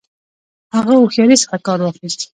هغه هوښیاري څخه کار واخیست.